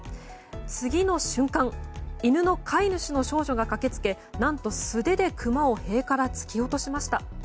次の瞬間犬の飼い主の少女が駆け付け何と素手でクマを塀から突き落としました。